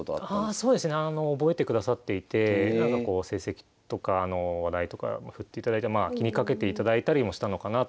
ああそうですね覚えてくださっていて成績とか話題とか振っていただいて気にかけていただいたりもしたのかなとは思いましたけど